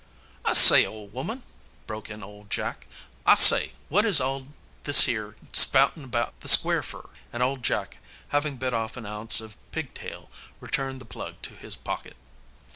"I say, ole woman," broke in old Jack, "I say, wot is all this 'ere spoutin' about the Square fer?" and old Jack, having bit off an ounce of "pigtail," returned the plug to his pocket.